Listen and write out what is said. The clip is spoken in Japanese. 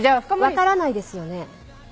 「わからないですよね？」